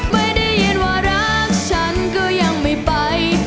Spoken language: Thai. ไม่ได้ยินว่ารักฉันก็ยังไม่ไป